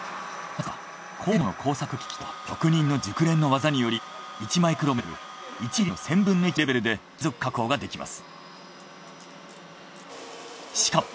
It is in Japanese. この町工場は高性能の工作機器と職人の熟練の技により１マイクロメートル１ミリの１０００分の１レベルで金属加工ができます。